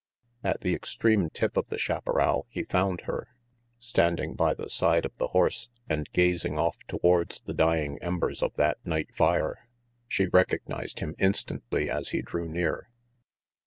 At the extreme tip of the chaparral he found her, standing by the side of the horse and gazing off towards the dying embers of that night fire. She recognized him instantly as he drew near.